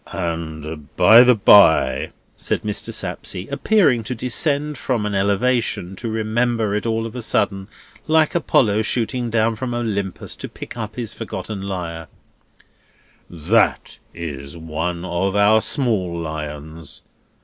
"And by the by," said Mr. Sapsea, appearing to descend from an elevation to remember it all of a sudden; like Apollo shooting down from Olympus to pick up his forgotten lyre; "that is one of our small lions.